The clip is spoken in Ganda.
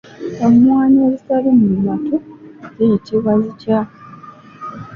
Emmwanyi ezitali mu matu zi yitibwa zitya?